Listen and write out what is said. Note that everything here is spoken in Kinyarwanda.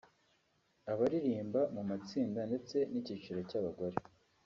abaririmba mu matsinda ndetse n’icyiciro cy’abagore